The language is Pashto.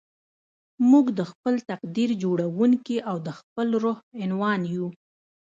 موږ د خپل تقدير جوړوونکي او د خپل روح عنوان يو.